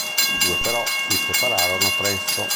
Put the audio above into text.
I due però si separarono presto.